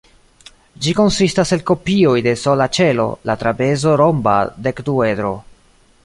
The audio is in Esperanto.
Ĝi konsistas el kopioj de sola ĉelo, la trapezo-romba dekduedro.